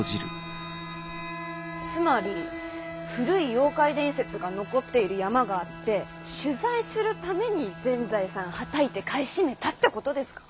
つまり古い妖怪伝説が残っている山があって取材するために全財産はたいて買い占めたってことですか？